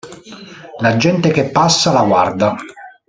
La gente che passa la guarda.